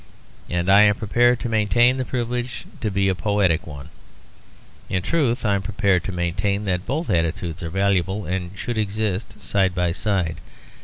And I am prepared to maintain the privilege to be a poetic one. In truth I am prepared to maintain that both attitudes are valuable, and should exist side by side.